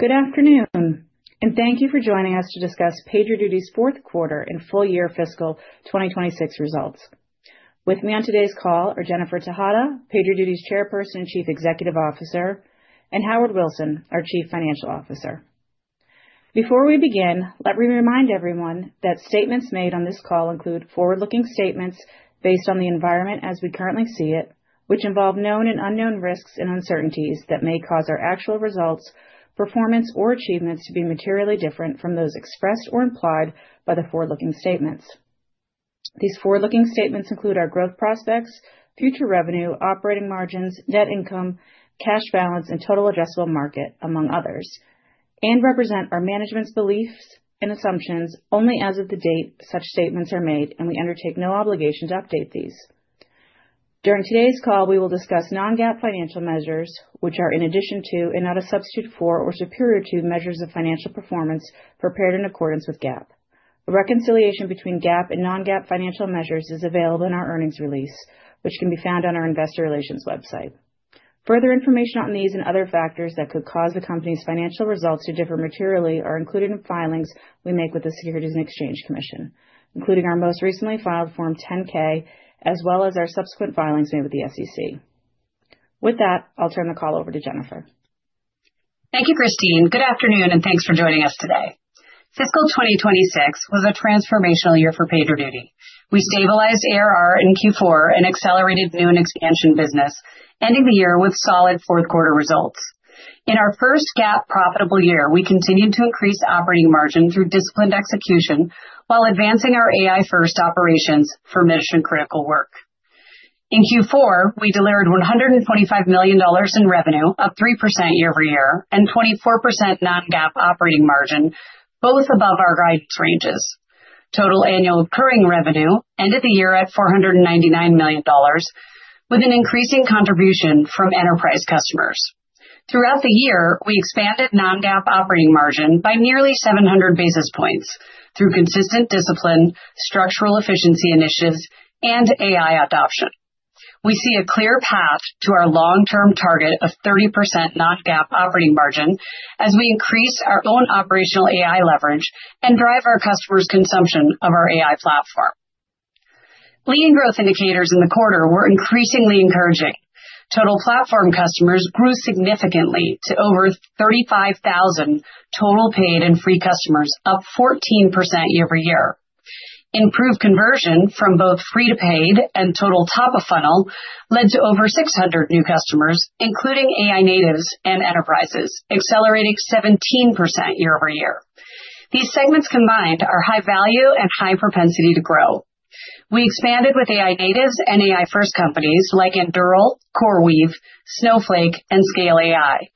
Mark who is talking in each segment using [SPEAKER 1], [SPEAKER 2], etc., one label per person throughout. [SPEAKER 1] Good afternoon, and thank you for joining us to discuss PagerDuty's fourth quarter and full-year fiscal 2026 results. With me on today's call are Jennifer Tejada, PagerDuty's Chairperson and Chief Executive Officer, and Howard Wilson, our Chief Financial Officer. Before we begin, let me remind everyone that statements made on this call include forward-looking statements based on the environment as we currently see it, which involve known and unknown risks and uncertainties that may cause our actual results, performance, or achievements to be materially different from those expressed or implied by the forward-looking statements. These forward-looking statements include our growth prospects, future revenue, operating margins, net income, cash balance, and total addressable market, among others, and represent our management's beliefs and assumptions only as of the date such statements are made, and we undertake no obligation to update these. During today's call, we will discuss non-GAAP financial measures, which are in addition to and not a substitute for or superior to measures of financial performance prepared in accordance with GAAP. A reconciliation between GAAP and non-GAAP financial measures is available in our earnings release, which can be found on our investor relations website. Further information on these and other factors that could cause the company's financial results to differ materially are included in filings we make with the Securities and Exchange Commission, including our most recently filed Form 10-K as well as our subsequent filings made with the SEC. With that, I'll turn the call over to Jennifer.
[SPEAKER 2] Thank you, Christine. Good afternoon, and thanks for joining us today. Fiscal 2026 was a transformational year for PagerDuty. We stabilized ARR in Q4 and accelerated new and expansion business, ending the year with solid fourth quarter results. In our first GAAP profitable year, we continued to increase operating margin through disciplined execution while advancing our AI-first operations for mission-critical work. In Q4, we delivered $125 million in revenue, up 3% year-over-year, and 24% non-GAAP operating margin, both above our guidance ranges. Total annual recurring revenue ended the year at $499 million, with an increasing contribution from enterprise customers. Throughout the year, we expanded non-GAAP operating margin by nearly 700 basis points through consistent discipline, structural efficiency initiatives, and AI adoption. We see a clear path to our long-term target of 30% non-GAAP operating margin as we increase our own operational AI leverage and drive our customers' consumption of our AI platform. Leading growth indicators in the quarter were increasingly encouraging. Total platform customers grew significantly to over 35,000 total paid and free customers, up 14% year-over-year. Improved conversion from both free to paid and total top of funnel led to over 600 new customers, including AI natives and enterprises, accelerating 17% year-over-year. These segments combined are high value and high propensity to grow. We expanded with AI natives and AI-first companies like Anduril, CoreWeave, Snowflake, and Scale AI.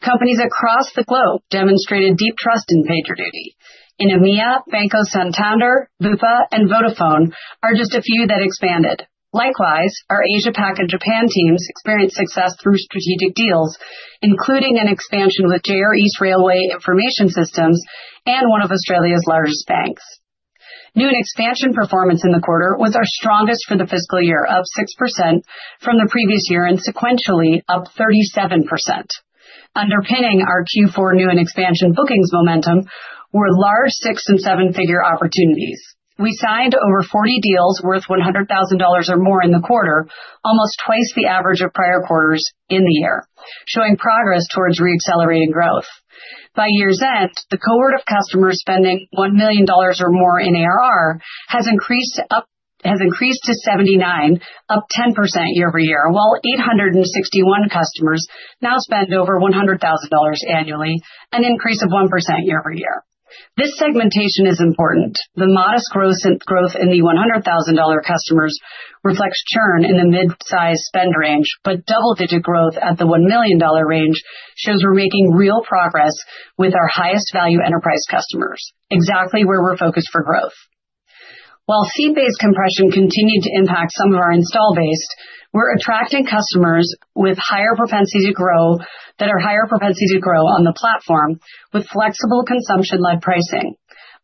[SPEAKER 2] Companies across the globe demonstrated deep trust in PagerDuty. In EMEA, Banco Santander, Bupa, and Vodafone are just a few that expanded. Likewise, our Asia Pac and Japan teams experienced success through strategic deals, including an expansion with JR East Information Systems Company and one of Australia's largest banks. New and expansion performance in the quarter was our strongest for the fiscal year, up 6% from the previous year and sequentially up 37%. Underpinning our Q4 new and expansion bookings momentum were large six- and seven-figure opportunities. We signed over 40 deals worth $100,000 or more in the quarter, almost twice the average of prior quarters in the year, showing progress towards re-accelerating growth. By year's end, the cohort of customers spending $1 million or more in ARR has increased to 79%, up 10% year-over-year, while 861 customers now spend over $100,000 annually, an increase of 1% year-over-year. This segmentation is important. The modest growth in the $100,000 customers reflects churn in the mid-size spend range, but double-digit growth at the $1 million range shows we're making real progress with our highest value enterprise customers, exactly where we're focused for growth. While seat-based compression continued to impact some of our install base, we're attracting customers with higher propensity to grow on the platform with flexible consumption-led pricing.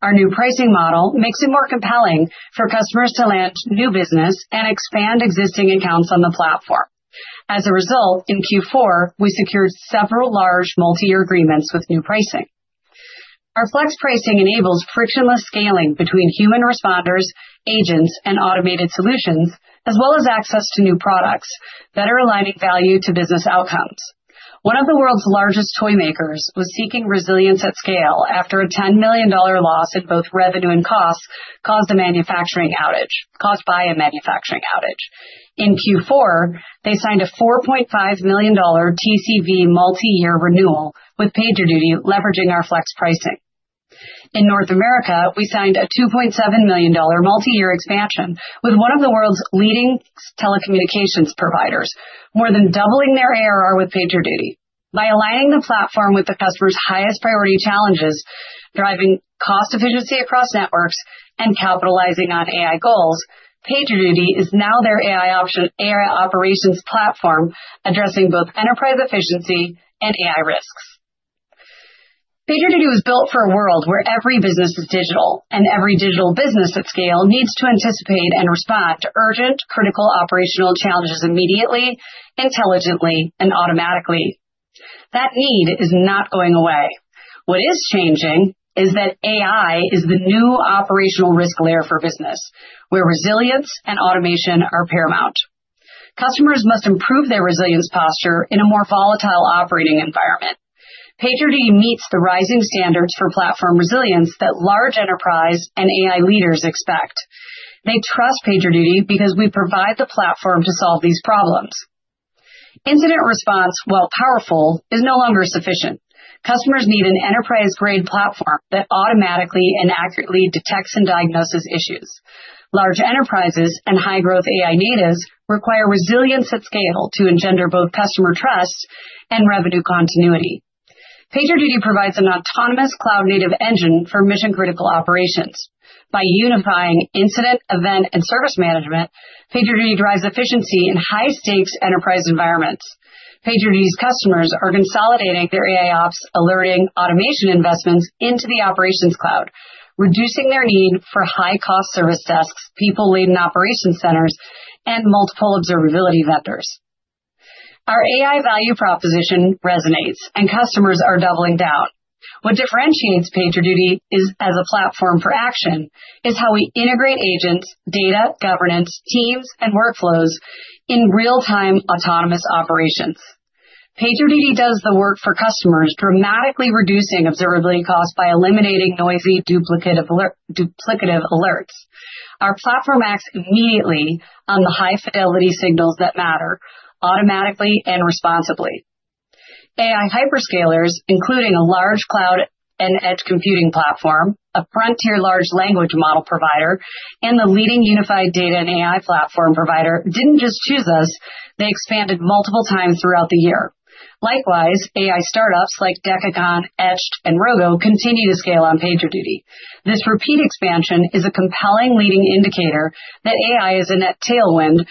[SPEAKER 2] Our new pricing model makes it more compelling for customers to land new business and expand existing accounts on the platform. As a result, in Q4, we secured several large multi-year agreements with new pricing. Our flex pricing enables frictionless scaling between human responders, agents, and automated solutions, as well as access to new products that are aligning value to business outcomes. One of the world's largest toy makers was seeking resilience at scale after a $10 million loss in both revenue and costs caused by a manufacturing outage. In Q4, they signed a $4.5 million TCV multi-year renewal with PagerDuty leveraging our flex pricing. In North America, we signed a $2.7 million multi-year expansion with one of the world's leading telecommunications providers, more than doubling their ARR with PagerDuty. By aligning the platform with the customer's highest priority challenges, driving cost efficiency across networks, and capitalizing on AI goals, PagerDuty is now their AI operations platform addressing both enterprise efficiency and AI risks. PagerDuty was built for a world where every business is digital, and every digital business at scale needs to anticipate and respond to urgent critical operational challenges immediately, intelligently, and automatically. That need is not going away. What is changing is that AI is the new operational risk layer for business, where resilience and automation are paramount. Customers must improve their resilience posture in a more volatile operating environment. PagerDuty meets the rising standards for platform resilience that large enterprise and AI leaders expect. They trust PagerDuty because we provide the platform to solve these problems. Incident response, while powerful, is no longer sufficient. Customers need an enterprise-grade platform that automatically and accurately detects and diagnoses issues. Large enterprises and high-growth AI natives require resilience at scale to engender both customer trust and revenue continuity. PagerDuty provides an autonomous cloud-native engine for mission-critical operations. By unifying incident, event, and service management, PagerDuty drives efficiency in high-stakes enterprise environments. PagerDuty's customers are consolidating their AIOps alerting automation investments into the operations cloud, reducing their need for high-cost service desks, people leading operations centers, and multiple observability vendors. Our AI value proposition resonates, and customers are doubling down. What differentiates PagerDuty, as a platform for action, is how we integrate agents, data, governance, teams, and workflows in real-time autonomous operations. PagerDuty does the work for customers, dramatically reducing observability costs by eliminating noisy duplicative alerts. Our platform acts immediately on the high-fidelity signals that matter automatically and responsibly. AI hyperscalers, including a large cloud and edge computing platform, a frontier large language model provider, and the leading unified data and AI platform provider, didn't just choose us, they expanded multiple times throughout the year. Likewise, AI startups like Decagon, Etched, and Rogo continue to scale on PagerDuty. This repeat expansion is a compelling leading indicator that AI is a net tailwind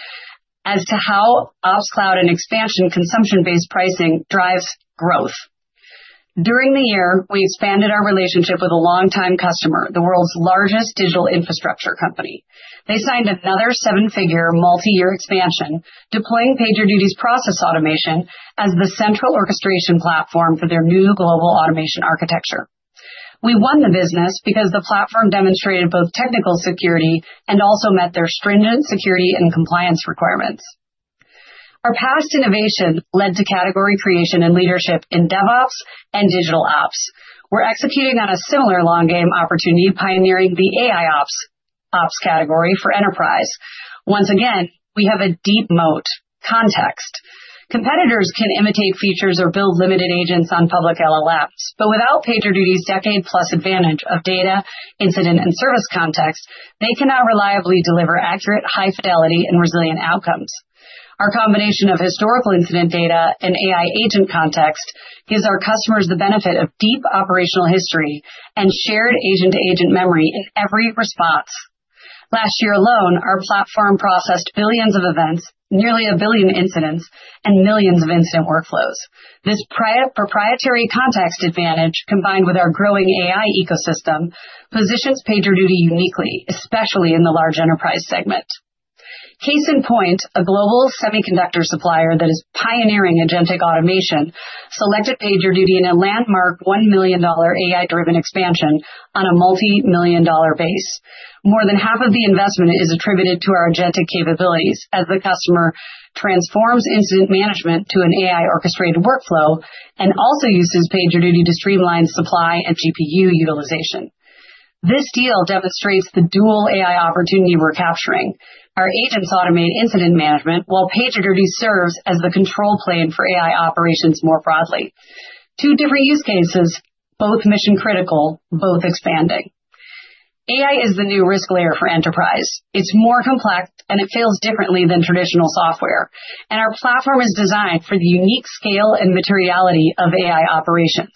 [SPEAKER 2] as to how Ops Cloud and expansion consumption-based pricing drives growth. During the year, we expanded our relationship with a longtime customer, the world's largest digital infrastructure company. They signed another seven-figure multiyear expansion, deploying PagerDuty's Process Automation as the central orchestration platform for their new global automation architecture. We won the business because the platform demonstrated both technical security and also met their stringent security and compliance requirements. Our past innovation led to category creation and leadership in DevOps and digital ops. We're executing on a similar long game opportunity, pioneering the AIOps ops category for enterprise. Once again, we have a deep moat context. Competitors can imitate features or build limited agents on public LLMs, but without PagerDuty's decade-plus advantage of data, incident, and service context, they cannot reliably deliver accurate, high fidelity, and resilient outcomes. Our combination of historical incident data and AI agent context gives our customers the benefit of deep operational history and shared agent-to-agent memory in every response. Last year alone, our platform processed billions of events, nearly one billion incidents, and millions of incident workflows. This proprietary context advantage, combined with our growing AI ecosystem, positions PagerDuty uniquely, especially in the large enterprise segment. Case in point, a global semiconductor supplier that is pioneering agentic automation selected PagerDuty in a landmark $1 million AI-driven expansion on a multimillion-dollar base. More than half of the investment is attributed to our agentic capabilities as the customer transforms incident management to an AI-orchestrated workflow and also uses PagerDuty to streamline supply and GPU utilization. This deal demonstrates the dual AI opportunity we're capturing. Our agents automate incident management, while PagerDuty serves as the control plane for AI operations more broadly. Two different use cases, both mission-critical, both expanding. AI is the new risk layer for enterprise. It's more complex, and it fails differently than traditional software. Our platform is designed for the unique scale and materiality of AI operations.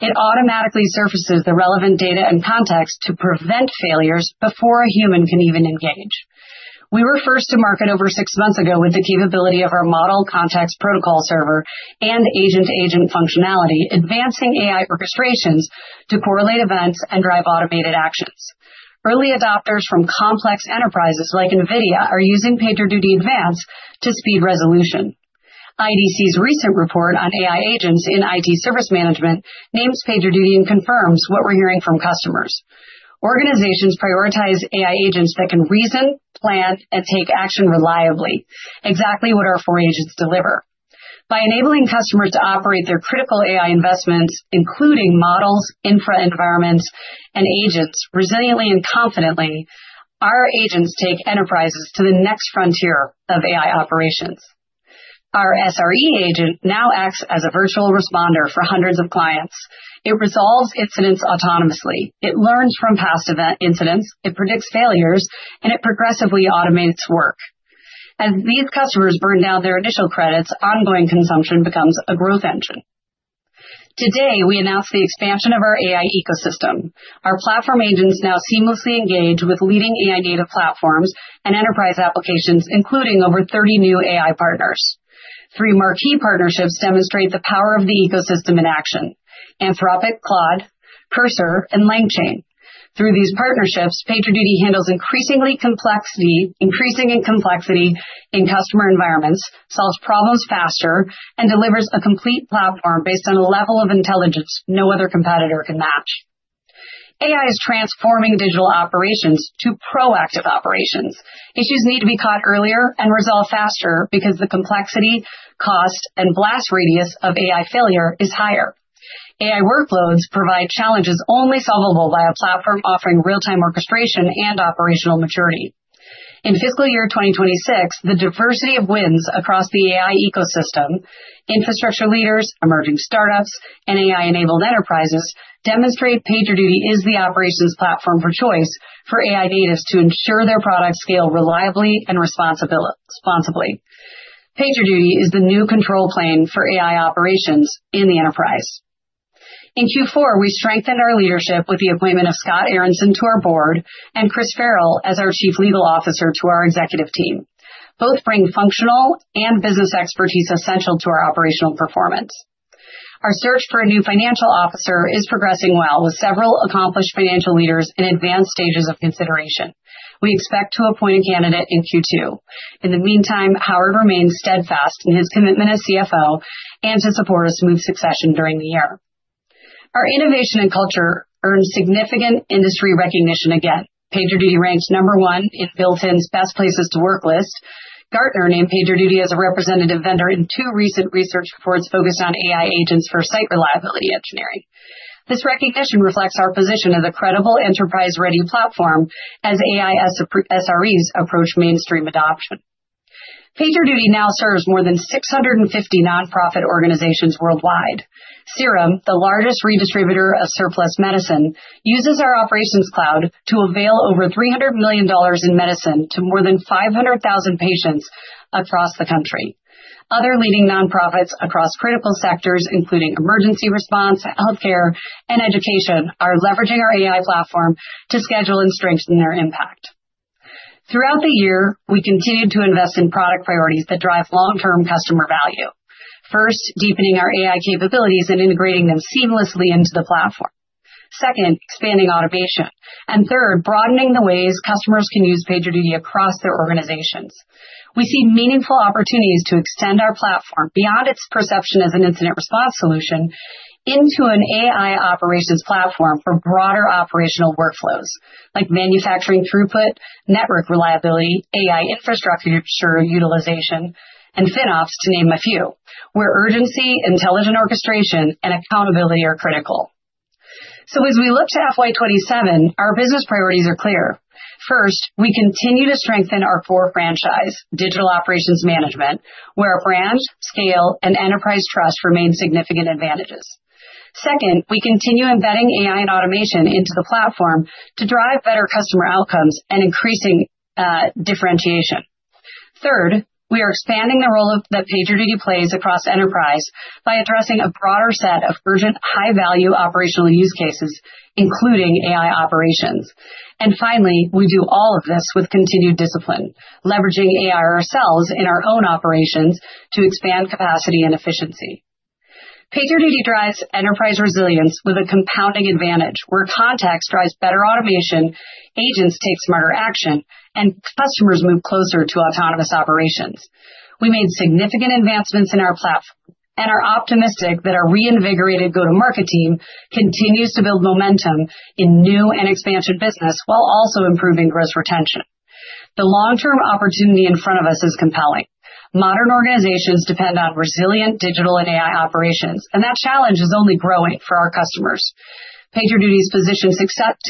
[SPEAKER 2] It automatically surfaces the relevant data and context to prevent failures before a human can even engage. We were first to market over six months ago with the capability of our Model Context Protocol server and agent-to-agent functionality, advancing AI orchestrations to correlate events and drive automated actions. Early adopters from complex enterprises like Nvidia are using PagerDuty Advance to speed resolution. IDC's recent report on AI agents in IT service management names PagerDuty and confirms what we're hearing from customers. Organizations prioritize AI agents that can reason, plan, and take action reliably. Exactly what our four agents deliver. By enabling customers to operate their critical AI investments, including models, infra environments, and agents resiliently and confidently, our agents take enterprises to the next frontier of AI operations. Our SRE agent now acts as a virtual responder for hundreds of clients. It resolves incidents autonomously, it learns from past event incidents, it predicts failures, and it progressively automates work. As these customers burn down their initial credits, ongoing consumption becomes a growth engine. Today, we announced the expansion of our AI ecosystem. Our platform agents now seamlessly engage with leading AI data platforms and enterprise applications, including over 30 new AI partners. Three marquee partnerships demonstrate the power of the ecosystem in action, Anthropic Claude, Cursor, and LangChain. Through these partnerships, PagerDuty handles increasing complexity in customer environments, solves problems faster, and delivers a complete platform based on a level of intelligence no other competitor can match. AI is transforming digital operations to proactive operations. Issues need to be caught earlier and resolved faster because the complexity, cost, and blast radius of AI failure is higher. AI workloads provide challenges only solvable by a platform offering real-time orchestration and operational maturity. In fiscal year 2026, the diversity of wins across the AI ecosystem, infrastructure leaders, emerging startups, and AI-enabled enterprises demonstrate PagerDuty is the operations platform of choice for AI today to ensure their products scale reliably and responsibly. PagerDuty is the new control plane for AI operations in the enterprise. In Q4, we strengthened our leadership with the appointment of Scott Aronson to our board and Chris Ferro as our Chief Legal Officer to our executive team. Both bring functional and business expertise essential to our operational performance. Our search for a new financial officer is progressing well with several accomplished financial leaders in advanced stages of consideration. We expect to appoint a candidate in Q2. In the meantime, Howard remains steadfast in his commitment as CFO and to support a smooth succession during the year. Our innovation and culture earned significant industry recognition again. PagerDuty ranked one in Built In's Best Places to Work list. Gartner named PagerDuty as a representative vendor in two recent research reports focused on AI agents for site reliability engineering. This recognition reflects our position as a credible enterprise-ready platform as AI SREs approach mainstream adoption. PagerDuty now serves more than 650 nonprofit organizations worldwide. SIRUM, the largest redistributor of surplus medicine, uses our Operations Cloud to avail over $300 million in medicine to more than 500,000 patients across the country. Other leading nonprofits across critical sectors, including emergency response, healthcare, and education, are leveraging our AI platform to schedule and strengthen their impact. Throughout the year, we continued to invest in product priorities that drive long-term customer value. First, deepening our AI capabilities and integrating them seamlessly into the platform. Second, expanding automation. Third, broadening the ways customers can use PagerDuty across their organizations. We see meaningful opportunities to extend our platform beyond its perception as an incident response solution into an AI operations platform for broader operational workflows like manufacturing throughput, network reliability, AI infrastructure utilization, and FinOps, to name a few, where urgency, intelligent orchestration, and accountability are critical. As we look to FY 2027, our business priorities are clear. First, we continue to strengthen our core franchise, digital operations management, where brand, scale, and enterprise trust remain significant advantages. Second, we continue embedding AI and automation into the platform to drive better customer outcomes and increasing differentiation. Third, we are expanding the role of that PagerDuty plays across enterprise by addressing a broader set of urgent, high-value operational use cases, including AI operations. Finally, we do all of this with continued discipline, leveraging AI ourselves in our own operations to expand capacity and efficiency. PagerDuty drives enterprise resilience with a compounding advantage where contacts drives better automation, agents take smarter action, and customers move closer to autonomous operations. We made significant advancements in our platform and are optimistic that our reinvigorated go-to-market team continues to build momentum in new and expansion business while also improving gross retention. The long-term opportunity in front of us is compelling. Modern organizations depend on resilient digital and AI operations, and that challenge is only growing for our customers. PagerDuty is positioned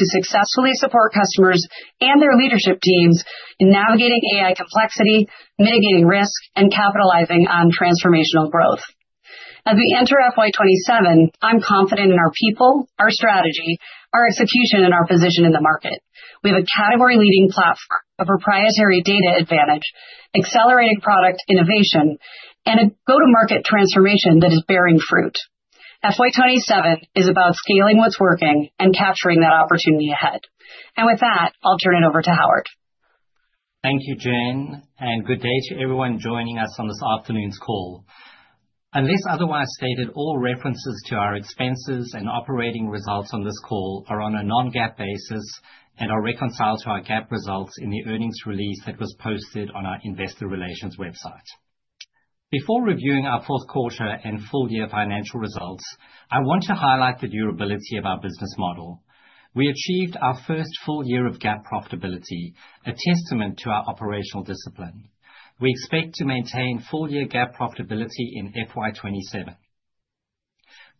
[SPEAKER 2] successfully support customers and their leadership teams in navigating AI complexity, mitigating risk, and capitalizing on transformational growth. As we enter FY 2027, I'm confident in our people, our strategy, our execution, and our position in the market. We have a category-leading platform, a proprietary data advantage, accelerated product innovation, and a go-to-market transformation that is bearing fruit. FY 2027 is about scaling what's working and capturing that opportunity ahead. With that, I'll turn it over to Howard.
[SPEAKER 3] Thank you, Jen, and good day to everyone joining us on this afternoon's call. Unless otherwise stated, all references to our expenses and operating results on this call are on a non-GAAP basis and are reconciled to our GAAP results in the earnings release that was posted on our investor relations website. Before reviewing our fourth quarter and full-year financial results, I want to highlight the durability of our business model. We achieved our first full year of GAAP profitability, a testament to our operational discipline. We expect to maintain full-year GAAP profitability in FY 2027.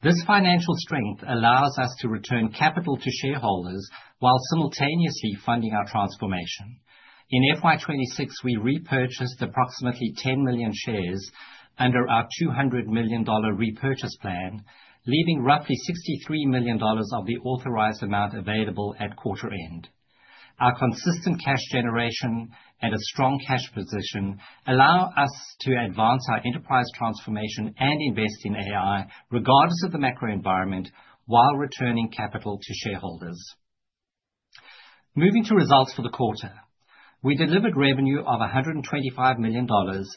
[SPEAKER 3] This financial strength allows us to return capital to shareholders while simultaneously funding our transformation. In FY 2026, we repurchased approximately 10 million shares under our $200 million repurchase plan, leaving roughly $63 million of the authorized amount available at quarter end. Our consistent cash generation and a strong cash position allow us to advance our enterprise transformation and invest in AI regardless of the macro environment while returning capital to shareholders. Moving to results for the quarter. We delivered revenue of $125 million,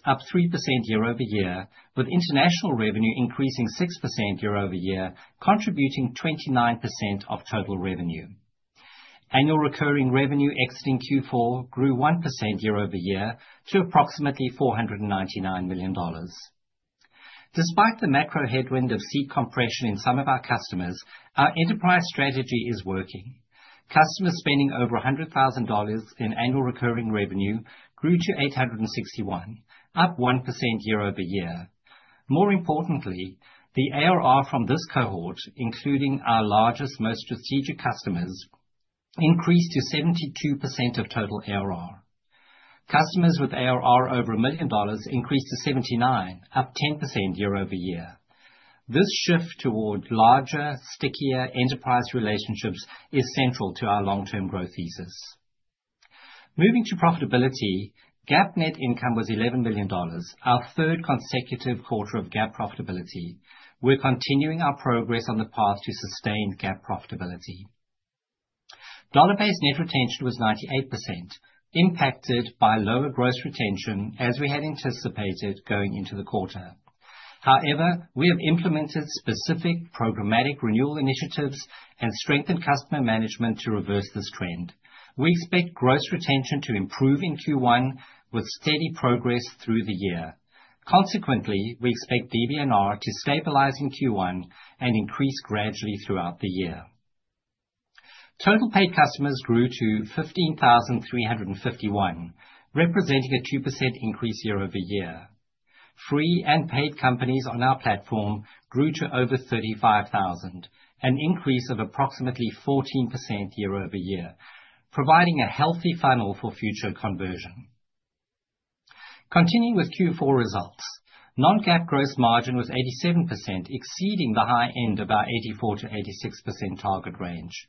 [SPEAKER 3] up 3% year-over-year, with international revenue increasing 6% year-over-year, contributing 29% of total revenue. Annual recurring revenue exiting Q4 grew 1% year-over-year to approximately $499 million. Despite the macro headwind of seat compression in some of our customers, our enterprise strategy is working. Customer spending over $100,000 in annual recurring revenue grew to 861, up 1% year-over-year. More importantly, the ARR from this cohort, including our largest most strategic customers, increased to 72% of total ARR. Customers with ARR over $1 million increased to 79%, up 10% year-over-year. This shift toward larger, stickier enterprise relationships is central to our long-term growth thesis. Moving to profitability, GAAP net income was $11 million, our third consecutive quarter of GAAP profitability. We're continuing our progress on the path to sustained GAAP profitability. Dollar-based net retention was 98% impacted by lower gross retention as we had anticipated going into the quarter. However, we have implemented specific programmatic renewal initiatives and strengthened customer management to reverse this trend. We expect gross retention to improve in Q1 with steady progress through the year. Consequently, we expect DBNR to stabilize in Q1 and increase gradually throughout the year. Total paid customers grew to 15,351, representing a 2% increase year-over-year. Free and paid companies on our platform grew to over 35,000, an increase of approximately 14% year-over-year, providing a healthy funnel for future conversion. Continuing with Q4 results, non-GAAP gross margin was 87%, exceeding the high end of our 84%-86% target range.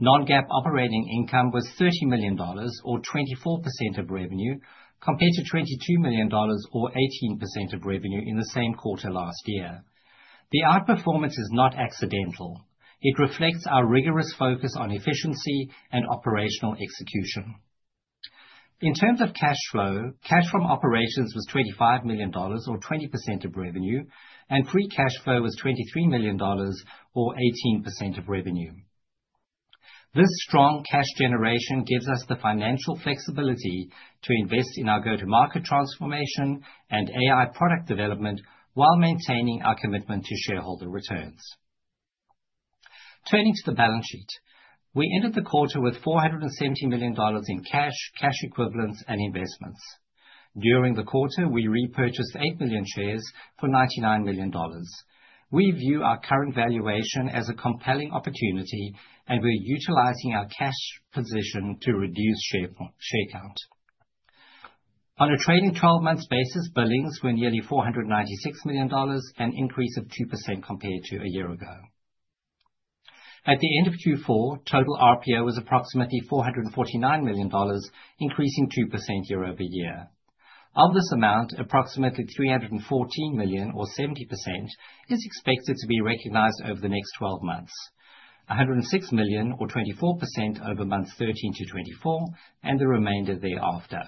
[SPEAKER 3] Non-GAAP operating income was $30 million or 24% of revenue compared to $22 million or 18% of revenue in the same quarter last year. The outperformance is not accidental. It reflects our rigorous focus on efficiency and operational execution. In terms of cash flow, cash from operations was $25 million or 20% of revenue, and free cash flow was $23 million or 18% of revenue. This strong cash generation gives us the financial flexibility to invest in our go-to-market transformation and AI product development while maintaining our commitment to shareholder returns. Turning to the balance sheet. We ended the quarter with $470 million in cash equivalents and investments. During the quarter, we repurchased eight million shares for $99 million. We view our current valuation as a compelling opportunity, and we're utilizing our cash position to reduce share count. On a trailing 12 months basis, billings were nearly $496 million, an increase of 2% compared to a year ago. At the end of Q4, total RPO was approximately $449 million, increasing 2% year-over-year. Of this amount, approximately $314 million or 70% is expected to be recognized over the next 12 months. $106 million or 24% over months 13-24 and the remainder thereafter.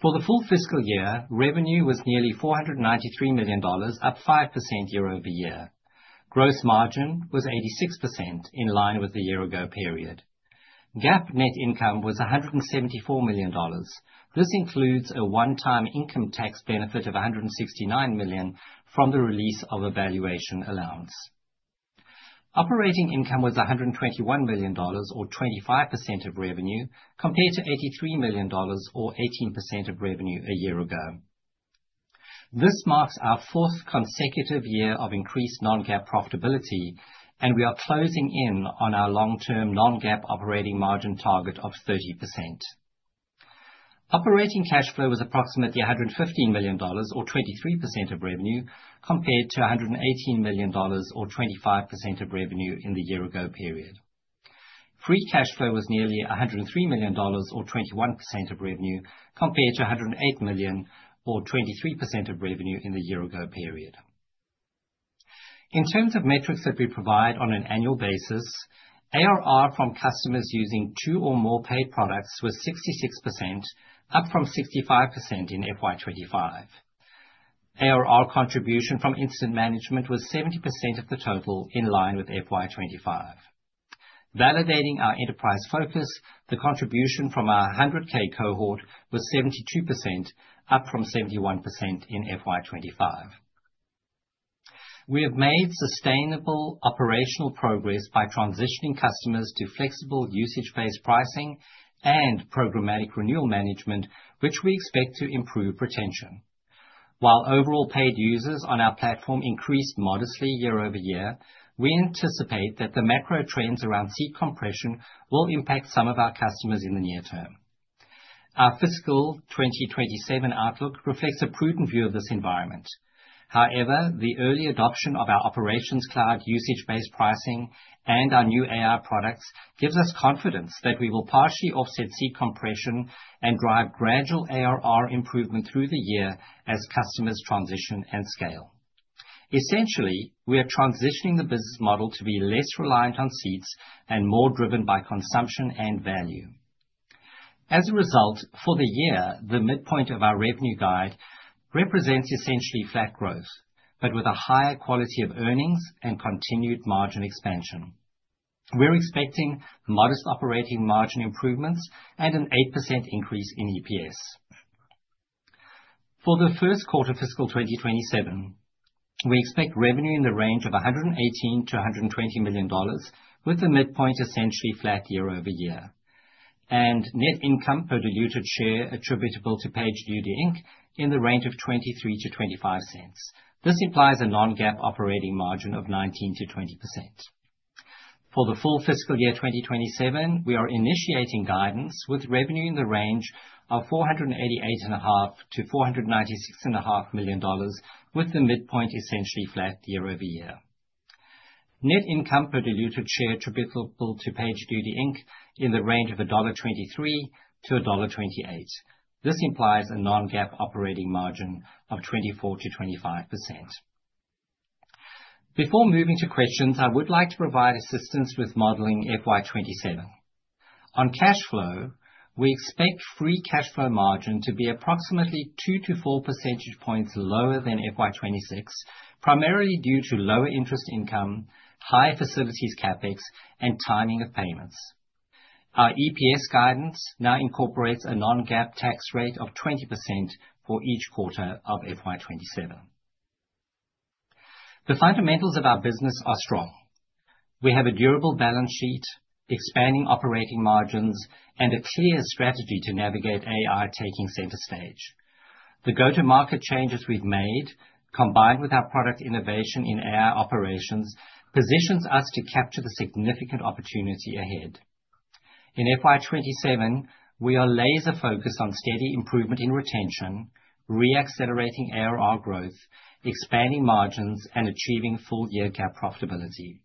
[SPEAKER 3] For the full fiscal year, revenue was nearly $493 million, up 5% year-over-year. Gross margin was 86% in line with the year ago period. GAAP net income was $174 million. This includes a one-time income tax benefit of $169 million from the release of a valuation allowance. Operating income was $121 million or 25% of revenue compared to $83 million or 18% of revenue a year ago. This marks our fourth consecutive year of increased non-GAAP profitability, and we are closing in on our long-term non-GAAP operating margin target of 30%. Operating cash flow was approximately $115 million or 23% of revenue compared to $118 million or 25% of revenue in the year ago period. Free cash flow was nearly $103 million or 21% of revenue compared to $108 million or 23% of revenue in the year ago period. In terms of metrics that we provide on an annual basis, ARR from customers using two or more paid products was 66%, up from 65% in FY 2025. ARR contribution from incident management was 70% of the total in line with FY 2025. Validating our enterprise focus, the contribution from our 100,000 cohort was 72%, up from 71% in FY 2025. We have made sustainable operational progress by transitioning customers to flexible usage-based pricing and programmatic renewal management, which we expect to improve retention. While overall paid users on our platform increased modestly year-over-year, we anticipate that the macro trends around seat compression will impact some of our customers in the near term. Our fiscal 2027 outlook reflects a prudent view of this environment. However, the early adoption of our Operations Cloud usage-based pricing and our new AI products gives us confidence that we will partially offset seat compression and drive gradual ARR improvement through the year as customers transition and scale. Essentially, we are transitioning the business model to be less reliant on seats and more driven by consumption and value. As a result, for the year, the midpoint of our revenue guide represents essentially flat growth, but with a higher quality of earnings and continued margin expansion. We're expecting modest operating margin improvements and an 8% increase in EPS. For the first quarter of fiscal 2027, we expect revenue in the range of $118 million-$120 million, with the midpoint essentially flat year-over-year, and net income per diluted share attributable to PagerDuty, Inc. in the range of $0.23-$0.25. This implies a non-GAAP operating margin of 19%-20%. For the full fiscal year 2027, we are initiating guidance with revenue in the range of $488 and a half million-$496 and a half million, with the midpoint essentially flat year-over-year. Net income per diluted share attributable to PagerDuty, Inc. in the range of $1.23-$1.28. This implies a non-GAAP operating margin of 24%-25%. Before moving to questions, I would like to provide assistance with modeling FY 2027. On cash flow, we expect free cash flow margin to be approximately two to four percentage points lower than FY 2026, primarily due to lower interest income, higher facilities CapEx, and timing of payments. Our EPS guidance now incorporates a non-GAAP tax rate of 20% for each quarter of FY 2027. The fundamentals of our business are strong. We have a durable balance sheet, expanding operating margins, and a clear strategy to navigate AI taking center stage. The go-to-market changes we've made, combined with our product innovation in AI operations, positions us to capture the significant opportunity ahead. In FY 2027, we are laser-focused on steady improvement in retention, re-accelerating ARR growth, expanding margins, and achieving full-year GAAP profitability.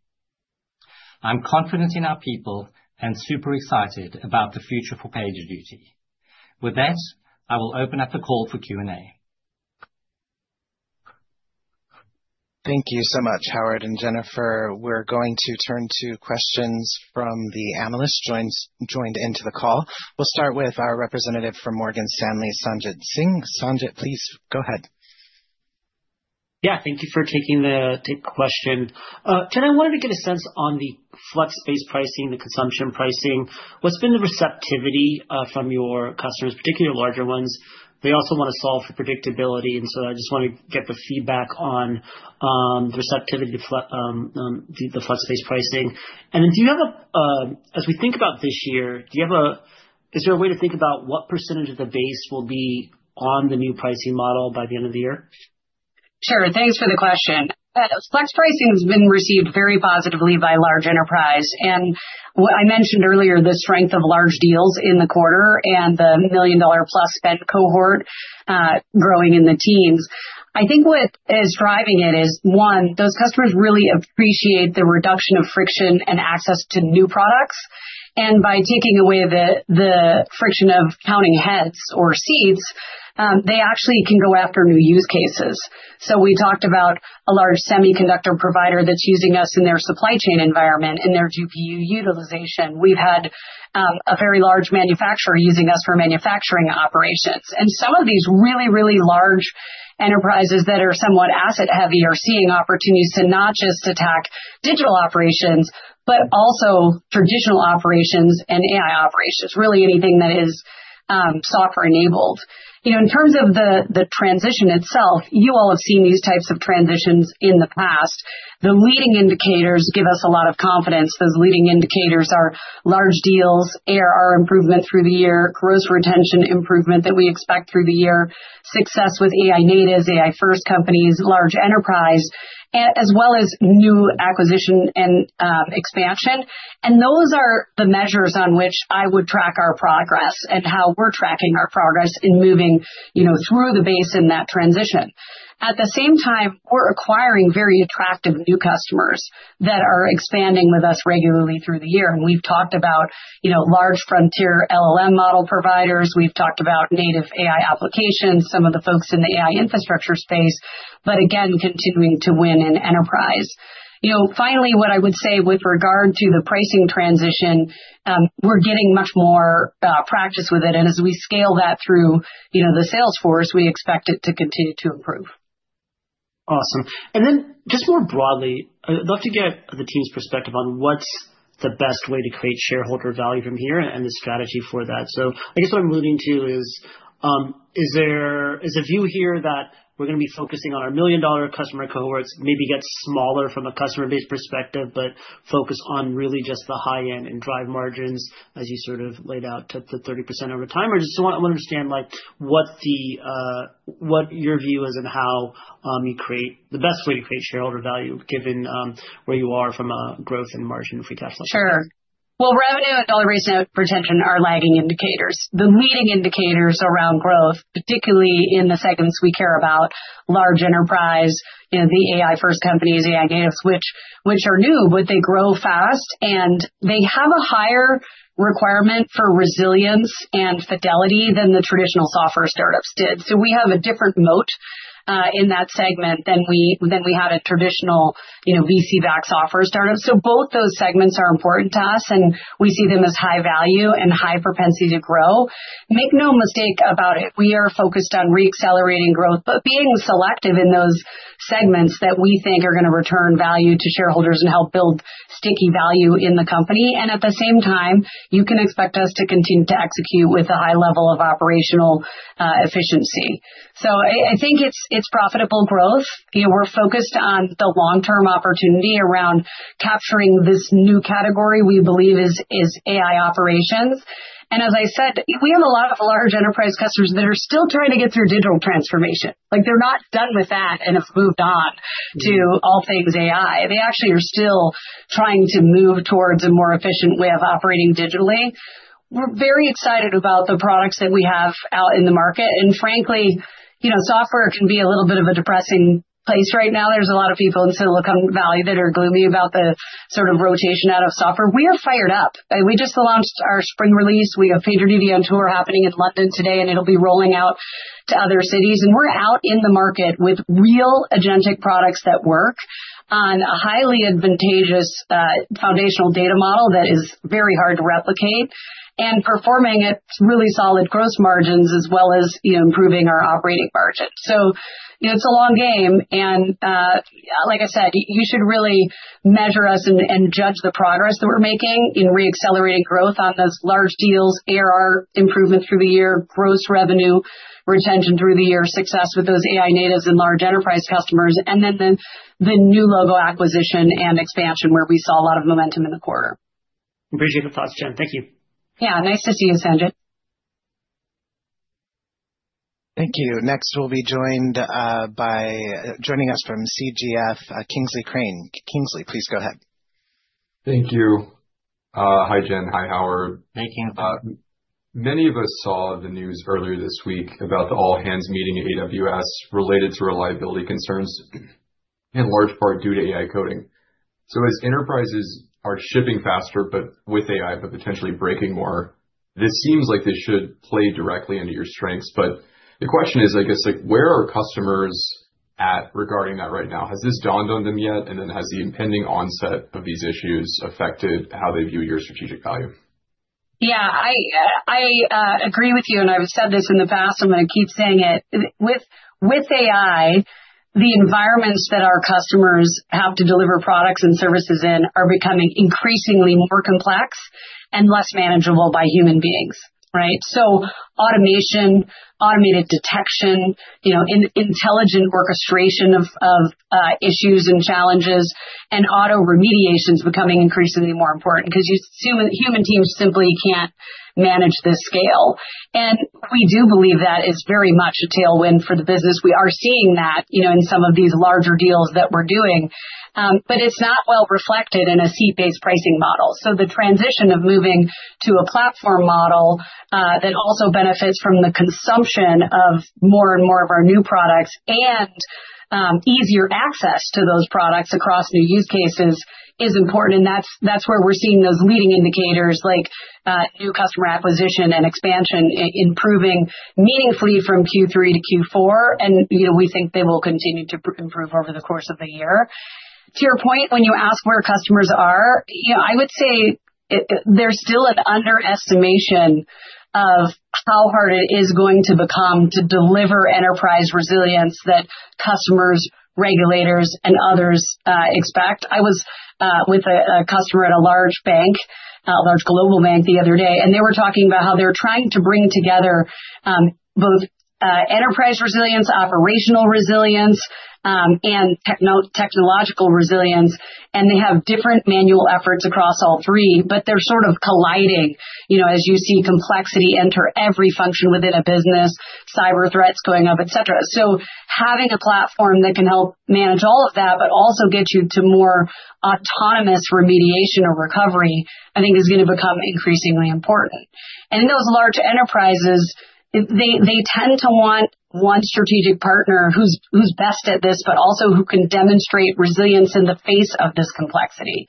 [SPEAKER 3] I'm confident in our people and super excited about the future for PagerDuty. With that, I will open up the call for Q&A.
[SPEAKER 1] Thank you so much, Howard and Jennifer. We're going to turn to questions from the analysts joined into the call. We'll start with our representative from Morgan Stanley, Sanjit Singh. Sanjit, please go ahead.
[SPEAKER 4] Yeah, thank you for taking the question. Jen, I wanted to get a sense on the flex pricing, the consumption pricing. What's been the receptivity from your customers, particularly larger ones? They also wanna solve for predictability, and so I just wanna get the feedback on the receptivity to the flex pricing. Then, as we think about this year, is there a way to think about what percentage of the base will be on the new pricing model by the end of the year?
[SPEAKER 2] Sure. Thanks for the question. Flex pricing has been received very positively by large enterprise. What I mentioned earlier, the strength of large deals in the quarter and the $1 million-plus spend cohort growing in the teens. I think what is driving it is, one, those customers really appreciate the reduction of friction and access to new products. By taking away the friction of counting heads or seats, they actually can go after new use cases. We talked about a large semiconductor provider that's using us in their supply chain environment, in their GPU utilization. We've had a very large manufacturer using us for manufacturing operations. Some of these really large enterprises that are somewhat asset heavy are seeing opportunities to not just attack digital operations, but also traditional operations and AI operations, really anything that is software-enabled. You know, in terms of the transition itself, you all have seen these types of transitions in the past. The leading indicators give us a lot of confidence. Those leading indicators are large deals, ARR improvement through the year, gross retention improvement that we expect through the year, success with AI natives, AI first companies, large enterprise, as well as new acquisition and expansion. Those are the measures on which I would track our progress and how we're tracking our progress in moving, you know, through the base in that transition. At the same time, we're acquiring very attractive new customers that are expanding with us regularly through the year. We've talked about, you know, large frontier LLM model providers. We've talked about native AI applications, some of the folks in the AI infrastructure space, but again, continuing to win in enterprise. You know, finally, what I would say with regard to the pricing transition, we're getting much more practice with it. As we scale that through, you know, the sales force, we expect it to continue to improve.
[SPEAKER 4] Awesome. Then just more broadly, I'd love to get the team's perspective on what's the best way to create shareholder value from here and the strategy for that. I guess what I'm alluding to is there Is the view here that we're gonna be focusing on our million-dollar customer cohorts, maybe get smaller from a customer base perspective, but focus on really just the high-end and drive margins as you sort of laid out to thirty percent over time? Or just so I understand, like, what the what your view is on how you create the best way to create shareholder value given where you are from a growth and margin free cash flow perspective.
[SPEAKER 2] Dollar raised and retention are lagging indicators. The leading indicators around growth, particularly in the segments we care about, large enterprise, you know, the AI first companies, AI natives, which are new, but they grow fast, and they have a higher requirement for resilience and fidelity than the traditional software startups did. We have a different moat, in that segment than we had a traditional, you know, VC-backed software startup. Both those segments are important to us, and we see them as high value and high propensity to grow. Make no mistake about it, we are focused on re-accelerating growth, but being selective in those segments that we think are gonna return value to shareholders and help build sticky value in the company. At the same time, you can expect us to continue to execute with a high level of operational efficiency. I think it's profitable growth. You know, we're focused on the long-term opportunity around capturing this new category we believe is AI operations. As I said, we have a lot of large enterprise customers that are still trying to get through digital transformation. Like, they're not done with that and have moved on to all things AI. They actually are still trying to move towards a more efficient way of operating digitally. We're very excited about the products that we have out in the market. Frankly, you know, software can be a little bit of a depressing place right now. There's a lot of people in Silicon Valley that are gloomy about the sort of rotation out of software. We are fired up. We just launched our spring release. We have PagerDuty On Tour happening in London today, and it'll be rolling out to other cities. We're out in the market with real agentic products that work on a highly advantageous foundational data model that is very hard to replicate and performing at really solid gross margins as well as, you know, improving our operating margin. You know, it's a long game, and like I said, you should really measure us and judge the progress that we're making in re-accelerating growth on those large deals, ARR improvement through the year, gross revenue retention through the year, success with those AI natives and large enterprise customers, and then the new logo acquisition and expansion, where we saw a lot of momentum in the quarter.
[SPEAKER 4] Appreciate the thoughts, Jen. Thank you.
[SPEAKER 2] Yeah, nice to see you, Sanjit.
[SPEAKER 1] Thank you. Next, joining us from Canaccord Genuity, Kingsley Crane. Kingsley, please go ahead.
[SPEAKER 5] Thank you. Hi, Jen. Hi, Howard.
[SPEAKER 3] Hey, Kingsley.
[SPEAKER 5] Many of us saw the news earlier this week about the all-hands meeting at AWS related to reliability concerns, in large part due to AI coding. As enterprises are shipping faster, but with AI, but potentially breaking more, this seems like this should play directly into your strengths. The question is, I guess, like, where are customers at regarding that right now? Has this dawned on them yet? Then has the impending onset of these issues affected how they view your strategic value?
[SPEAKER 2] Yeah. I agree with you, and I've said this in the past. I'm gonna keep saying it. With AI, the environments that our customers have to deliver products and services in are becoming increasingly more complex and less manageable by human beings, right? So automation, automated detection, you know, intelligent orchestration of issues and challenges and auto remediation is becoming increasingly more important because you assume human teams simply can't manage this scale. We do believe that is very much a tailwind for the business. We are seeing that, you know, in some of these larger deals that we're doing, but it's not well reflected in a seat-based pricing model. The transition of moving to a platform model, that also benefits from the consumption of more and more of our new products and, easier access to those products across new use cases is important. That's where we're seeing those leading indicators like, new customer acquisition and expansion improving meaningfully from Q3-Q4. You know, we think they will continue to improve over the course of the year. To your point, when you ask where customers are, you know, I would say it. There's still an underestimation of how hard it is going to become to deliver enterprise resilience that customers, regulators, and others, expect. I was with a customer at a large bank, a large global bank the other day, and they were talking about how they're trying to bring together both enterprise resilience, operational resilience, and technological resilience, and they have different manual efforts across all three, but they're sort of colliding, you know, as you see complexity enter every function within a business, cyber threats going up, et cetera. Having a platform that can help manage all of that but also get you to more autonomous remediation or recovery, I think is gonna become increasingly important. In those large enterprises, they tend to want one strategic partner who's best at this, but also who can demonstrate resilience in the face of this complexity.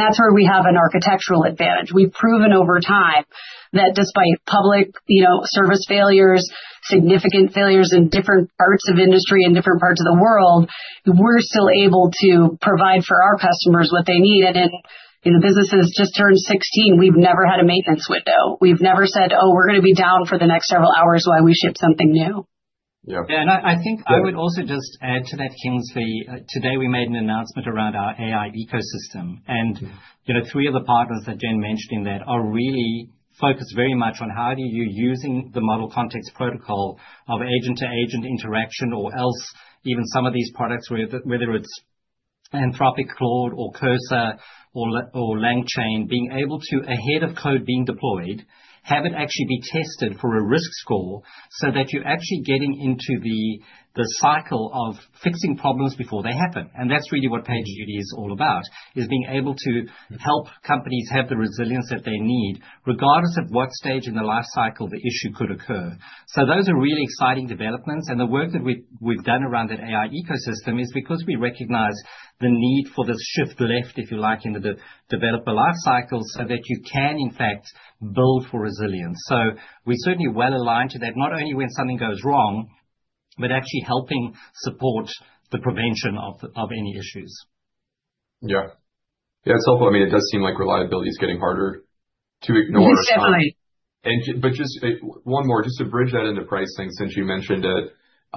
[SPEAKER 2] That's where we have an architectural advantage. We've proven over time that despite public, you know, service failures, significant failures in different parts of industry and different parts of the world, we're still able to provide for our customers what they need. In, you know, businesses just turned sixteen, we've never had a maintenance window. We've never said, "Oh, we're gonna be down for the next several hours while we ship something new.
[SPEAKER 5] Yeah.
[SPEAKER 3] I think I would also just add to that, Kingsley. Today we made an announcement around our AI ecosystem. You know, three of the partners that Jen mentioned in that are really focused very much on how do you using the Model Context Protocol of agent-to-agent interaction or else even some of these products, whether it's Anthropic, Claude or Cursor or LangChain, being able to ahead of code being deployed, have it actually be tested for a risk score so that you're actually getting into the cycle of fixing problems before they happen. That's really what PagerDuty is all about, is being able to help companies have the resilience that they need, regardless of what stage in the life cycle the issue could occur. Those are really exciting developments, and the work that we've done around that AI ecosystem is because we recognize the need for this shift left, if you like, in the developer life cycle so that you can in fact build for resilience. We're certainly well-aligned to that, not only when something goes wrong, but actually helping support the prevention of any issues.
[SPEAKER 5] Yeah. Yeah, it's helpful. I mean, it does seem like reliability is getting harder to ignore.
[SPEAKER 2] Yes, definitely.
[SPEAKER 5] Just one more just to bridge that into pricing since you mentioned it. It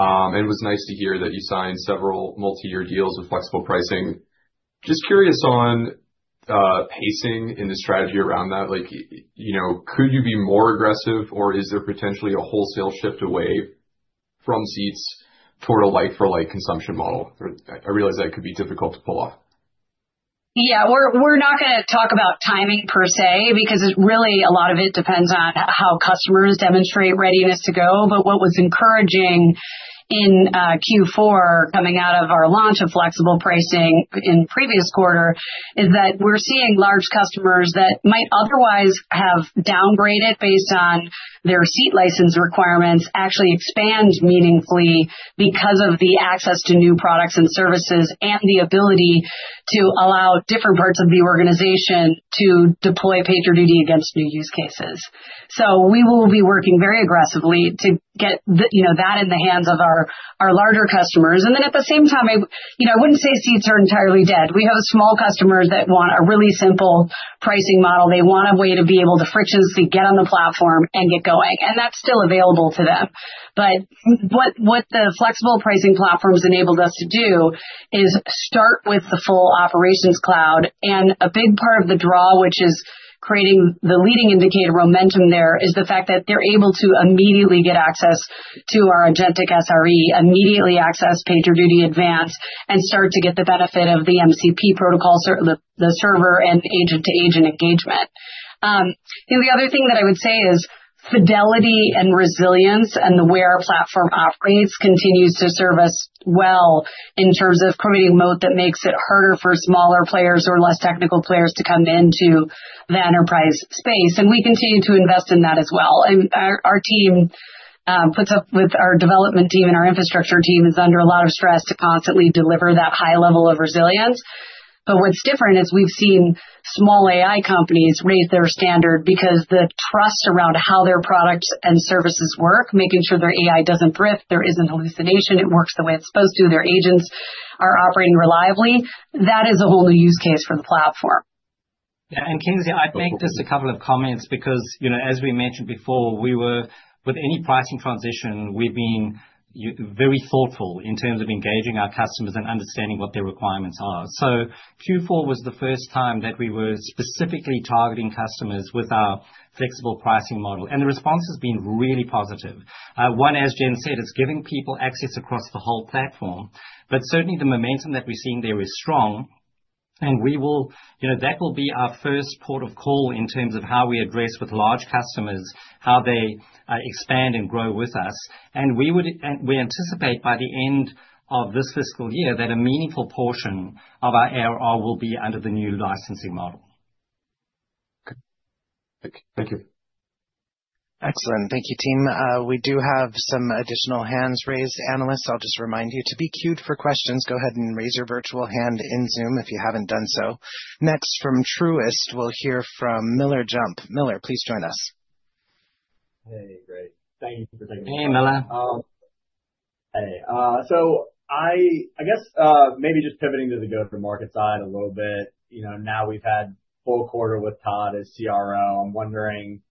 [SPEAKER 5] was nice to hear that you signed several multi-year deals with flexible pricing. Just curious on, pacing and the strategy around that. Like, you know, could you be more aggressive or is there potentially a wholesale shift away from seats for a like for like consumption model? I realize that could be difficult to pull off.
[SPEAKER 2] Yeah. We're not gonna talk about timing per se, because it really a lot of it depends on how customers demonstrate readiness to go. What was encouraging in Q4 coming out of our launch of flexible pricing in previous quarter, is that we're seeing large customers that might otherwise have downgraded based on their seat license requirements actually expand meaningfully because of the access to new products and services and the ability to allow different parts of the organization to deploy PagerDuty against new use cases. We will be working very aggressively to get you know, that in the hands of our larger customers. Then at the same time, you know, I wouldn't say seats are entirely dead. We have small customers that want a really simple pricing model. They want a way to be able to frictionlessly get on the platform and get going, and that's still available to them. What the flexible pricing platforms enabled us to do is start with the full operations cloud. A big part of the draw, which is creating the leading indicator momentum there, is the fact that they're able to immediately get access to our agentic SRE, immediately access PagerDuty Advance and start to get the benefit of the MCP protocol, the server and agent to agent engagement. You know, the other thing that I would say is fidelity and resilience and the way our platform operates continues to serve us well in terms of creating moat that makes it harder for smaller players or less technical players to come into the enterprise space. We continue to invest in that as well. Our team puts up with our development team, and our infrastructure team is under a lot of stress to constantly deliver that high level of resilience. What's different is we've seen small AI companies raise their standard because the trust around how their products and services work, making sure their AI doesn't drift, there isn't hallucination, it works the way it's supposed to, their agents are operating reliably. That is a whole new use case for the platform.
[SPEAKER 3] Yeah. Kingsley, I'd make just a couple of comments because, you know, as we mentioned before, we were with any pricing transition, we've been very thoughtful in terms of engaging our customers and understanding what their requirements are. Q4 was the first time that we were specifically targeting customers with our flexible pricing model, and the response has been really positive. One, as Jen said, is giving people access across the whole platform, but certainly the momentum that we're seeing there is strong, and we will. You know, that will be our first port of call in terms of how we address with large customers, how they expand and grow with us. We anticipate by the end of this fiscal year that a meaningful portion of our ARR will be under the new licensing model.
[SPEAKER 5] Thank you.
[SPEAKER 1] Excellent. Thank you, team. We do have some additional hands raised. Analysts, I'll just remind you to be queued for questions, go ahead and raise your virtual hand in Zoom if you haven't done so. Next from Truist, we'll hear from Miller Jump. Miller, please join us.
[SPEAKER 6] Hey, great. Thank you for taking my call.
[SPEAKER 3] Hey, Miller.
[SPEAKER 6] Hey. I guess, maybe just pivoting to the go-to-market side a little bit. You know, now we've had full quarter with Todd as CRO. I'm wondering,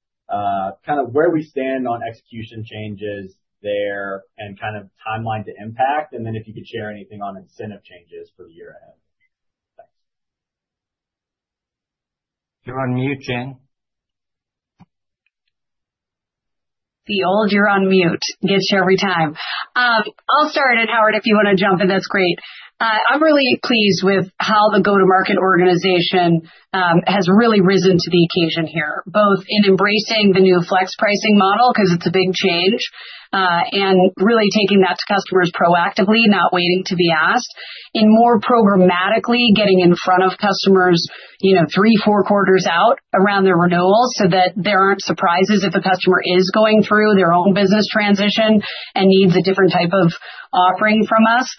[SPEAKER 6] kind of where we stand on execution changes there and kind of timeline to impact, and then if you could share anything on incentive changes for the year ahead. Thanks.
[SPEAKER 3] You're on mute, Jen.
[SPEAKER 2] The old you're on mute gets you every time. I'll start, and Howard, if you wanna jump in, that's great. I'm really pleased with how the go-to-market organization has really risen to the occasion here, both in embracing the new flex pricing model because it's a big change, and really taking that to customers proactively, not waiting to be asked. In more programmatically getting in front of customers, you know, three, four quarters out around their renewals so that there aren't surprises if a customer is going through their own business transition and needs a different type of offering from us.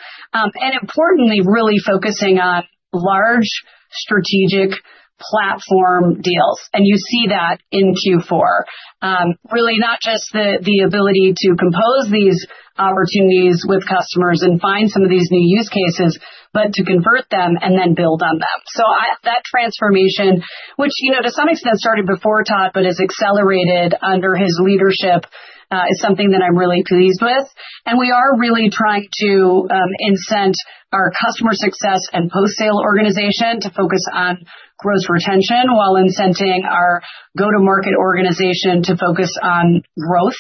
[SPEAKER 2] Importantly, really focusing on large strategic platform deals. You see that in Q4. Really not just the ability to compose these opportunities with customers and find some of these new use cases, but to convert them and then build on them. That transformation, which, you know, to some extent started before Todd, but has accelerated under his leadership, is something that I'm really pleased with. We are really trying to incent our customer success and post-sale organization to focus on gross retention while incenting our go-to-market organization to focus on growth.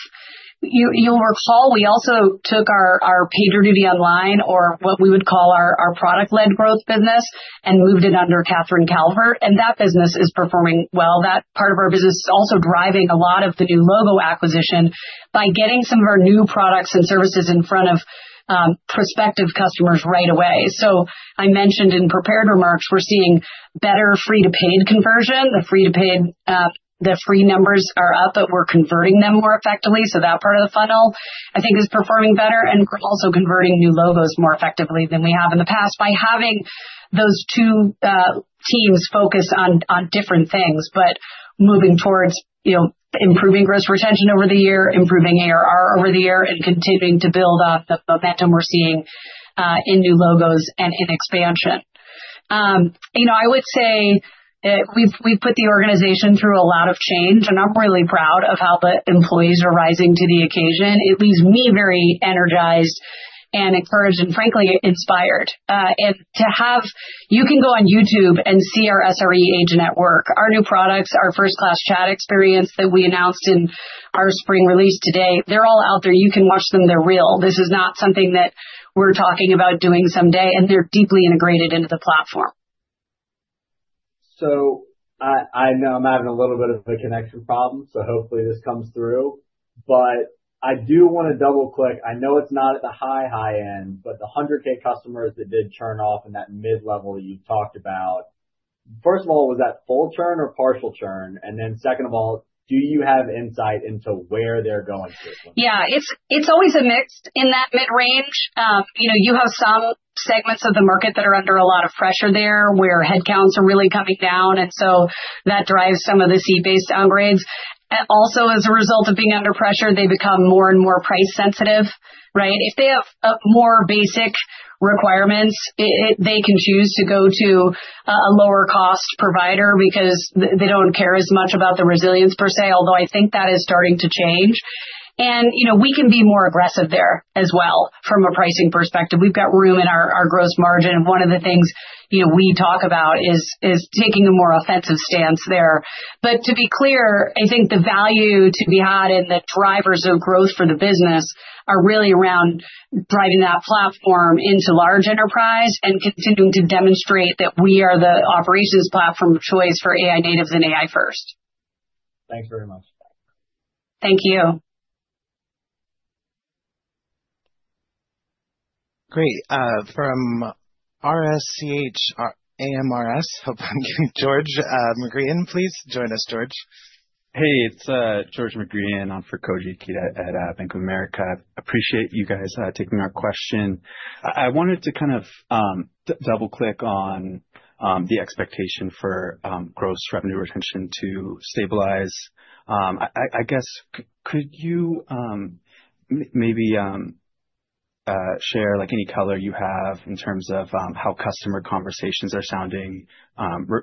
[SPEAKER 2] You'll recall we also took our PagerDuty online or what we would call our product-led growth business and moved it under Kathryn Calvert. That business is performing well. That part of our business is also driving a lot of the new logo acquisition by getting some of our new products and services in front of prospective customers right away. I mentioned in prepared remarks, we're seeing better free to paid conversion. The free to paid, the free numbers are up, but we're converting them more effectively. That part of the funnel I think is performing better, and we're also converting new logos more effectively than we have in the past by having those two teams focus on different things, but moving towards, you know, improving gross retention over the year, improving ARR over the year, and continuing to build off the momentum we're seeing in new logos and in expansion. You know, I would say that we've put the organization through a lot of change, and I'm really proud of how the employees are rising to the occasion. It leaves me very energized and encouraged and frankly inspired. You can go on YouTube and see our SRE Agent at work, our new products, our first-class chat experience that we announced in our spring release today. They're all out there. You can watch them. They're real. This is not something that we're talking about doing someday, and they're deeply integrated into the platform.
[SPEAKER 6] I know I'm having a little bit of a connection problem, so hopefully this comes through. I do wanna double-click. I know it's not at the high end, but the 100,000 customers that did churn off in that mid-level you talked about, first of all, was that full churn or partial churn? And then second of all, do you have insight into where they're going to?
[SPEAKER 2] Yeah. It's always a mix in that mid-range. You know, you have some segments of the market that are under a lot of pressure there, where headcounts are really coming down, and so that drives some of the seat-based downgrades. Also, as a result of being under pressure, they become more and more price sensitive, right? If they have more basic requirements, they can choose to go to a lower cost provider because they don't care as much about the resilience per se, although I think that is starting to change. You know, we can be more aggressive there as well from a pricing perspective. We've got room in our gross margin. One of the things, you know, we talk about is taking a more offensive stance there. to be clear, I think the value to be had and the drivers of growth for the business are really around driving that platform into large enterprise and continuing to demonstrate that we are the operations platform of choice for AI natives and AI first.
[SPEAKER 6] Thanks very much.
[SPEAKER 2] Thank you.
[SPEAKER 1] Great. From research arms, hope I'm getting it. George McGreehan, please join us, George.
[SPEAKER 7] Hey, it's George McGreehan. I'm for Koji Ikeda at Bank of America. Appreciate you guys taking our question. I guess could you maybe share like any color you have in terms of how customer conversations are sounding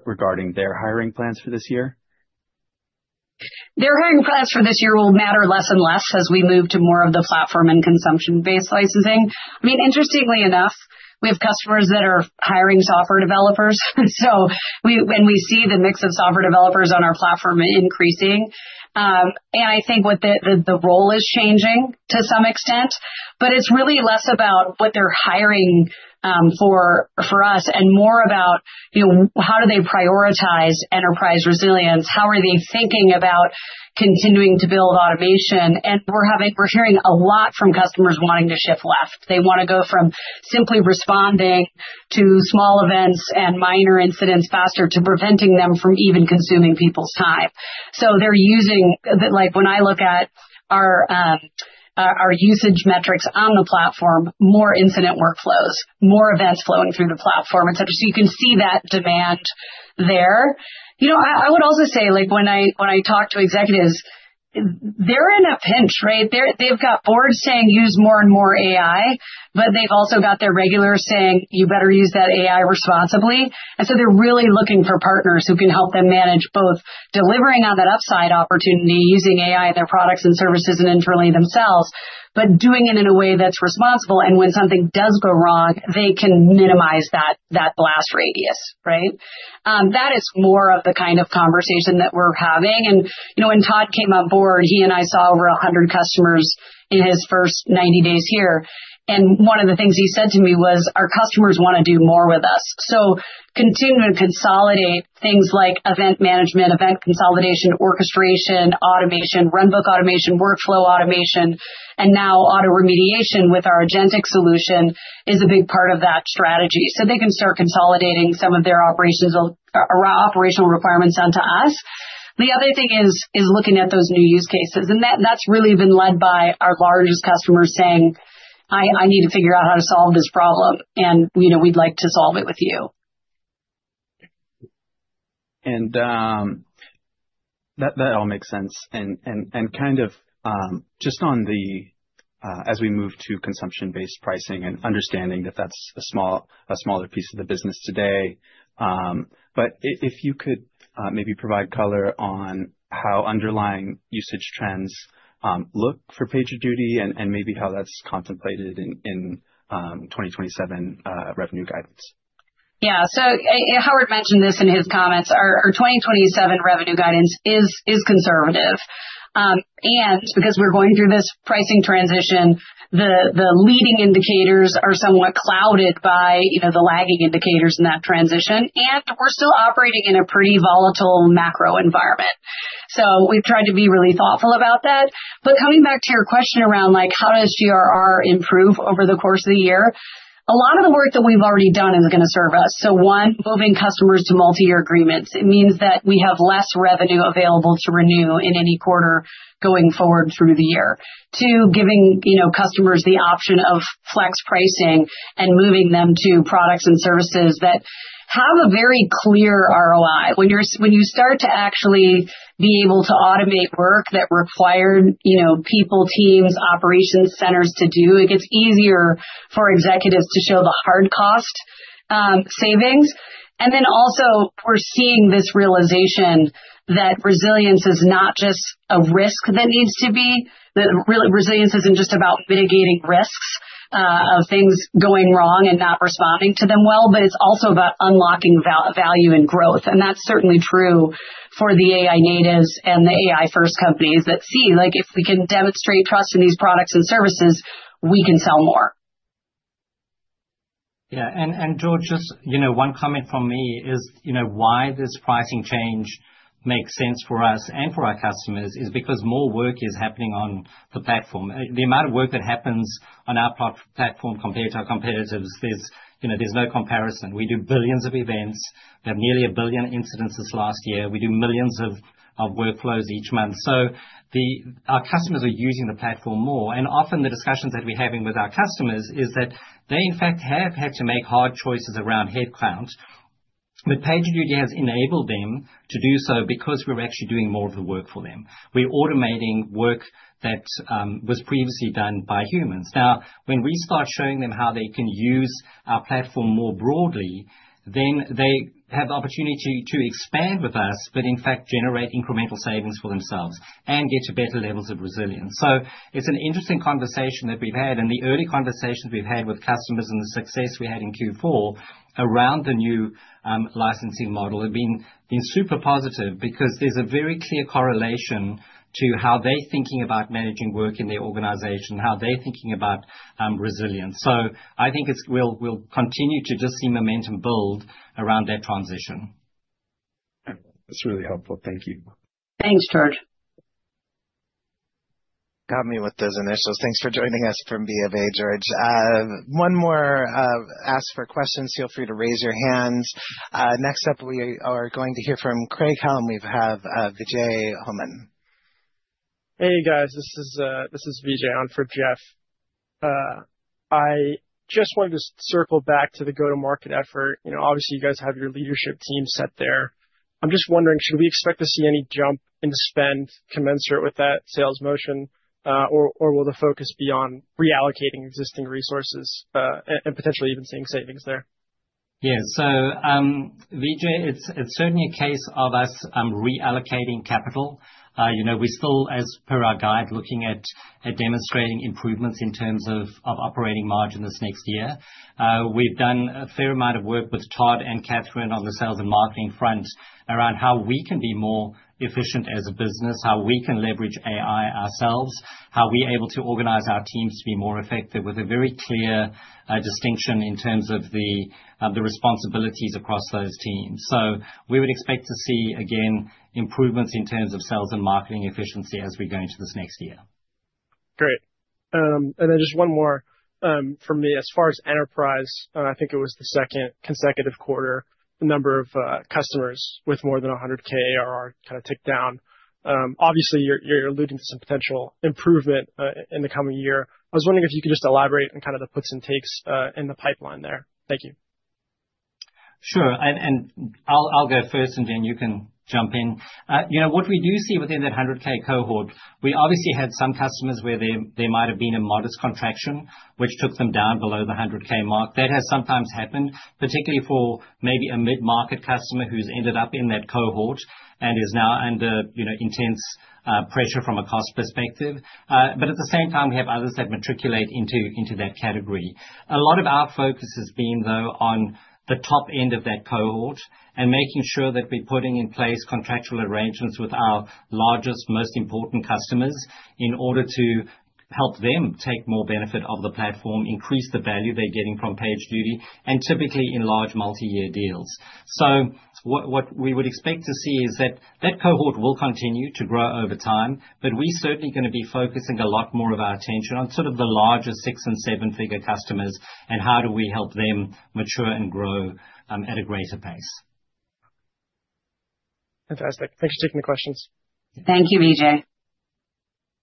[SPEAKER 7] regarding their hiring plans for this year?
[SPEAKER 2] Their hiring plans for this year will matter less and less as we move to more of the platform and consumption-based licensing. I mean, interestingly enough, we have customers that are hiring software developers, so we see the mix of software developers on our platform increasing. I think what the role is changing to some extent, but it's really less about what they're hiring for us and more about, you know, how do they prioritize enterprise resilience, how are they thinking about continuing to build automation. We're hearing a lot from customers wanting to shift left. They wanna go from simply responding to small events and minor incidents faster to preventing them from even consuming people's time. So they're using Like, when I look at our usage metrics on the platform, more incident workflows, more events flowing through the platform, et cetera. You can see that demand there. You know, I would also say, like, when I talk to executives, they're in a pinch, right? They're. They've got boards saying use more and more AI, but they've also got their regulars saying, "You better use that AI responsibly." They're really looking for partners who can help them manage both delivering on that upside opportunity using AI in their products and services and internally themselves, but doing it in a way that's responsible, and when something does go wrong, they can minimize that blast radius, right? That is more of the kind of conversation that we're having. You know, when Todd came on board, he and I saw over 100 customers in his first 90 days here, and one of the things he said to me was, "Our customers wanna do more with us." Continuing to consolidate things like event management, event consolidation, orchestration, automation, runbook automation, workflow automation, and now auto remediation with our agentic solution is a big part of that strategy. They can start consolidating some of their operations or operational requirements onto us. The other thing is looking at those new use cases, and that's really been led by our largest customers saying, "I need to figure out how to solve this problem, and you know, we'd like to solve it with you.
[SPEAKER 7] That all makes sense. Kind of just on that as we move to consumption-based pricing and understanding that that's a smaller piece of the business today, but if you could maybe provide color on how underlying usage trends look for PagerDuty and maybe how that's contemplated in 2027 revenue guidance.
[SPEAKER 2] Yeah. Howard mentioned this in his comments. Our 2027 revenue guidance is conservative. Because we're going through this pricing transition, the leading indicators are somewhat clouded by, you know, the lagging indicators in that transition, and we're still operating in a pretty volatile macro environment. We've tried to be really thoughtful about that. Coming back to your question around like how does GRR improve over the course of the year? A lot of the work that we've already done is gonna serve us. One, moving customers to multi-year agreements, it means that we have less revenue available to renew in any quarter going forward through the year. Two, giving, you know, customers the option of flex pricing and moving them to products and services that have a very clear ROI. When you start to actually be able to automate work that required, you know, people, teams, operations centers to do, it gets easier for executives to show the hard cost savings. Then also we're seeing this realization that resilience is not just a risk that needs to be. That resilience isn't just about mitigating risks of things going wrong and not responding to them well, but it's also about unlocking value and growth. That's certainly true for the AI natives and the AI-first companies that see, like, if we can demonstrate trust in these products and services, we can sell more.
[SPEAKER 3] George, just, you know, one comment from me is, you know, why this pricing change makes sense for us and for our customers is because more work is happening on the platform. The amount of work that happens on our platform compared to our competitors, you know, there's no comparison. We do billions of events. We have nearly a billion incidents this last year. We do millions of workflows each month. Our customers are using the platform more, and often the discussions that we're having with our customers is that they in fact have had to make hard choices around headcount. PagerDuty has enabled them to do so because we're actually doing more of the work for them. We're automating work that was previously done by humans. Now, when we start showing them how they can use our platform more broadly, then they have the opportunity to expand with us, but in fact generate incremental savings for themselves and get to better levels of resilience. It's an interesting conversation that we've had, and the early conversations we've had with customers and the success we had in Q4 around the new licensing model have been super positive because there's a very clear correlation to how they're thinking about managing work in their organization, how they're thinking about resilience. I think it's. We'll continue to just see momentum build around that transition.
[SPEAKER 7] That's really helpful. Thank you.
[SPEAKER 2] Thanks, George.
[SPEAKER 1] Got me with those initials. Thanks for joining us from BofA, George. One more ask for questions. Feel free to raise your hands. Next up, we are going to hear from Craig-Hallum, and we have Vijay Homan.
[SPEAKER 8] Hey, guys. This is Vijay on for Jeff. I just wanted to circle back to the go-to-market effort. You know, obviously you guys have your leadership team set there. I'm just wondering, should we expect to see any jump in the spend commensurate with that sales motion, or will the focus be on reallocating existing resources, and potentially even seeing savings there?
[SPEAKER 3] Yeah. Vijay, it's certainly a case of us reallocating capital. You know, we're still, as per our guide, looking at demonstrating improvements in terms of operating margin this next year. We've done a fair amount of work with Todd and Katherine on the sales and marketing front around how we can be more efficient as a business, how we can leverage AI ourselves, how we're able to organize our teams to be more effective with a very clear distinction in terms of the responsibilities across those teams. We would expect to see, again, improvements in terms of sales and marketing efficiency as we go into this next year.
[SPEAKER 8] Great. Just one more for me. As far as enterprise, and I think it was the second consecutive quarter, the number of customers with more than 100,000 ARR kinda ticked down. Obviously you're alluding to some potential improvement in the coming year. I was wondering if you could just elaborate on kinda the puts and takes in the pipeline there. Thank you.
[SPEAKER 3] Sure. I'll go first, and then you can jump in. You know, what we do see within that 100,000 cohort, we obviously had some customers where there might've been a modest contraction which took them down below the 100,000 mark. That has sometimes happened, particularly for maybe a mid-market customer who's ended up in that cohort and is now under intense pressure from a cost perspective. But at the same time, we have others that matriculate into that category. A lot of our focus has been, though, on the top end of that cohort and making sure that we're putting in place contractual arrangements with our largest, most important customers in order to help them take more benefit of the platform, increase the value they're getting from PagerDuty, and typically in large multi-year deals. What we would expect to see is that cohort will continue to grow over time, but we're certainly gonna be focusing a lot more of our attention on sort of the larger six- and seven-figure customers and how do we help them mature and grow at a greater pace.
[SPEAKER 8] Fantastic. Thank you for taking the questions.
[SPEAKER 2] Thank you, Vijay.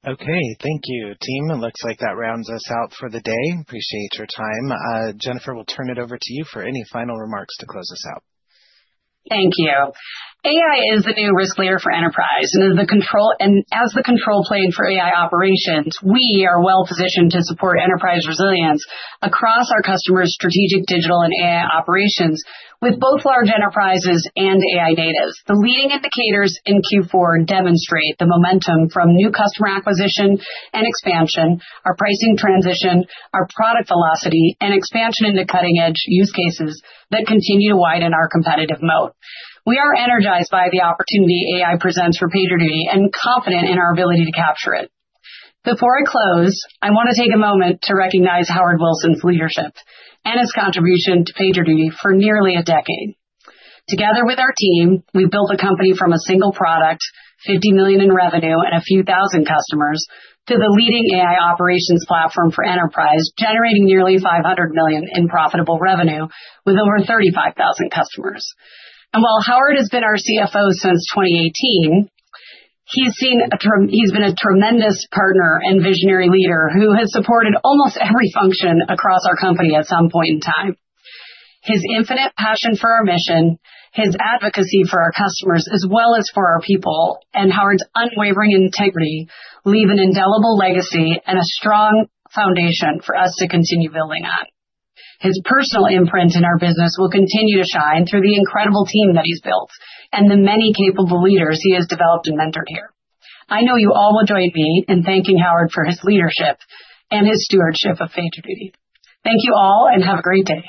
[SPEAKER 1] Okay. Thank you, team. It looks like that rounds us out for the day. Appreciate your time. Jennifer, we'll turn it over to you for any final remarks to close us out.
[SPEAKER 2] Thank you. AI is the new risk layer for enterprise. As the control plane for AI operations, we are well positioned to support enterprise resilience across our customers' strategic digital and AI operations with both large enterprises and AI natives. The leading indicators in Q4 demonstrate the momentum from new customer acquisition and expansion, our pricing transition, our product velocity, and expansion into cutting-edge use cases that continue to widen our competitive moat. We are energized by the opportunity AI presents for PagerDuty and confident in our ability to capture it. Before I close, I wanna take a moment to recognize Howard Wilson's leadership and his contribution to PagerDuty for nearly a decade. Together with our team, we built a company from a single product, $50 million in revenue, and a few thousand customers to the leading AI operations platform for enterprise, generating nearly $500 million in profitable revenue with over 35,000 customers. While Howard has been our CFO since 2018, he's been a tremendous partner and visionary leader who has supported almost every function across our company at some point in time. His infinite passion for our mission, his advocacy for our customers as well as for our people, and Howard's unwavering integrity leave an indelible legacy and a strong foundation for us to continue building on. His personal imprint in our business will continue to shine through the incredible team that he's built and the many capable leaders he has developed and mentored here. I know you all will join me in thanking Howard for his leadership and his stewardship of PagerDuty. Thank you all, and have a great day.